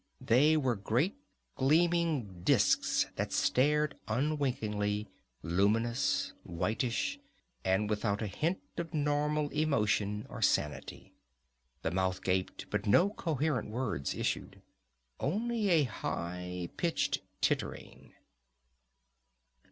They were great gleaming disks that stared unwinkingly, luminous, whitish, and without a hint of normal emotion or sanity. The mouth gaped, but no coherent words issued only a high pitched tittering.